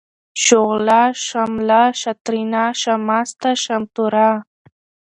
شغله ، شمله ، شاترينه ، شامسته ، شامتوره ،